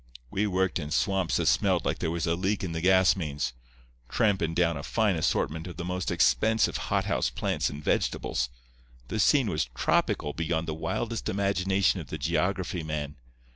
We worked in swamps that smelled like there was a leak in the gas mains, trampin' down a fine assortment of the most expensive hothouse plants and vegetables. The scene was tropical beyond the wildest imagination of the geography man.